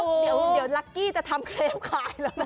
เดี๋ยวลักกี้จะทำเคลมขายแล้วไหม